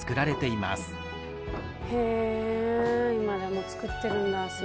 今でも作ってるんだすごい。